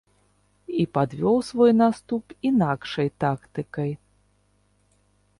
І падвёў свой наступ інакшай тактыкай.